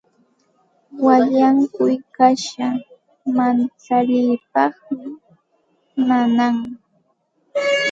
Wallankuy kasha mancharipaqmi nanan.